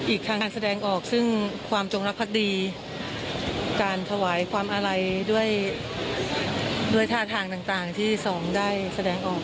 อีกทางการแสดงออกซึ่งความจงรักภักดีการถวายความอาลัยด้วยท่าทางต่างที่สองได้แสดงออก